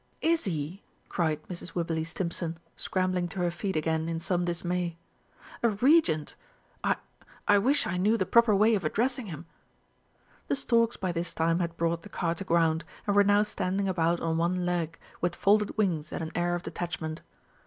"Is he?" cried Mrs. Wibberley Stimpson, scrambling to her feet again in some dismay. "A Regent! I I wish I knew the proper way of addressing him!" The storks by this time had brought the car to ground, and were now standing about on one leg with folded wings and an air of detachment.